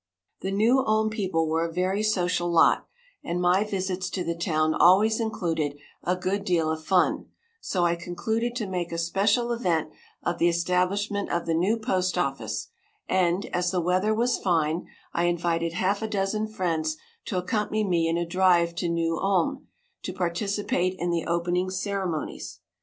The New Ulm people were a very social lot, and my visits to the town always included a good deal of fun, so I concluded to make a special event of the establishment of the new postoffice, and, as the weather was fine, I invited half a dozen friends to accompany me in a drive to New Ulm, to participate in the opening ceremonies.